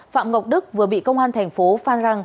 phạm ngọc đức vừa bị công an thành phố phan rang